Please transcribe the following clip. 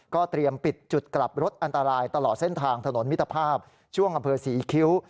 เตรียมปิดจุดกลับรถอันตรายตลอดเส้นทางถนนมิตรภาพช่วงอำเภอศรีคิ้ว